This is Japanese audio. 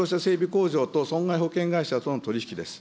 工場と損害保険会社との取り引きです。